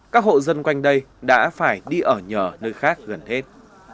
các hộ dân quanh đây đã phải đi ở nhờ nơi khác gần hết